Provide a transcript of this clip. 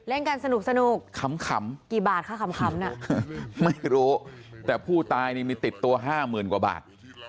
เล่นกันสนุกขำกี่บาทคะขำน่ะไม่รู้แต่ผู้ตายนี่มีติดตัวห้าหมื่นกว่าบาท